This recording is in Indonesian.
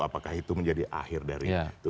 apakah itu menjadi akhir dari itu